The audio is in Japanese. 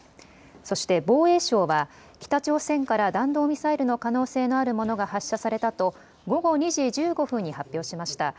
そして防衛省は北朝鮮から弾道ミサイルの可能性のあるものが発射されたと午後２時１５分に発表しました。